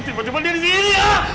tiba tiba dia di sini